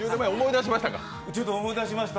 ちょっと思い出しました。